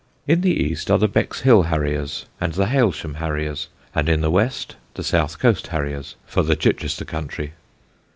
In the east are the Bexhill Harriers and the Hailsham Harriers; and in the west the South Coast Harriers, for the Chichester country.